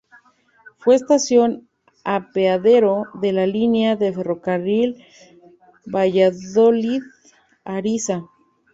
Fue estación apeadero de la línea de Ferrocarril Valladolid-Ariza.